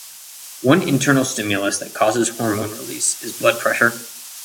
One internal stimulus that causes hormone release is blood pressure.